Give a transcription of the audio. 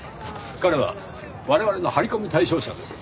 彼は我々の張り込み対象者です。